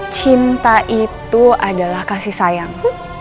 cinta itu adalah kasih sayang